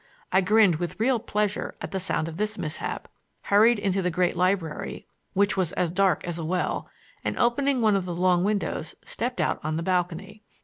I grinned with real pleasure at the sound of this mishap, hurried into the great library, which was as dark as a well, and, opening one of the long windows, stepped out on the balcony.